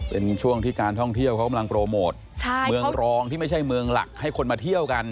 เป็นช่วงที่การท่องเที่ยวเขากำลังโปรโมทใช่เมืองรองที่ไม่ใช่เมืองหลักให้คนมาเที่ยวกัน